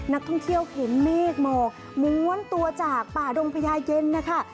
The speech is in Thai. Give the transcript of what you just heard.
นักท่องเที่ยวเห็นเมฆหมอกม้วนตัวจากป่าดงพญาเย็นนะคะ